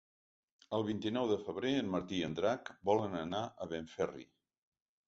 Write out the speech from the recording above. El vint-i-nou de febrer en Martí i en Drac volen anar a Benferri.